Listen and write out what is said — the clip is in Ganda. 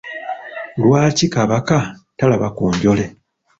Lwaki Kabaka talaba ku njole?